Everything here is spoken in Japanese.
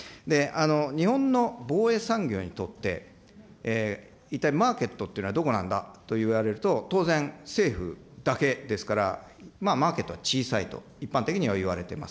日本の防衛産業にとって、一体マーケットっていうのはどこなんだといわれると、当然、政府だけですから、まあマーケットは小さいと、一般的にはいわれてます。